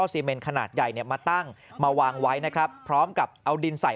ซีเมนขนาดใหญ่เนี่ยมาตั้งมาวางไว้นะครับพร้อมกับเอาดินใส่